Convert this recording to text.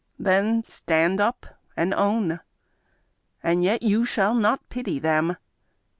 Then stand up and own! And yet you shall not pity them